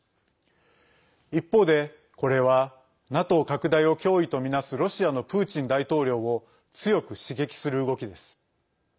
一方で、これはＮＡＴＯ拡大を脅威とみなすロシアのプーチン大統領を強く刺激する動きです。